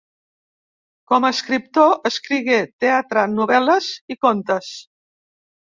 Com a escriptor escrigué teatre, novel·les i contes.